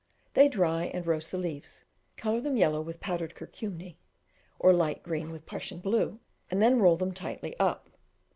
They dry and roast the leaves, colour them yellow with powdered kurkumni, or light green with Prussian blue, and then roll them tightly up.